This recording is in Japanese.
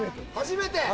初めて。